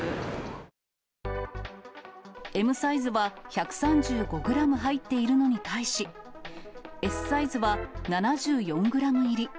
Ｍサイズは１３５グラム入っているのに対し、Ｓサイズは７４グラム入り。